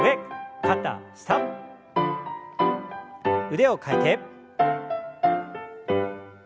腕を替えて。